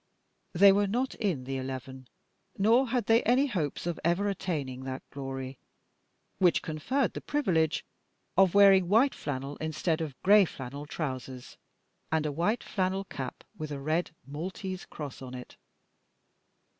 They were not in the eleven, nor had they any hopes of ever attaining that glory, which conferred the privilege of wearing white flannel instead of grey flannel trousers, and a white flannel cap with a red Maltese cross on it.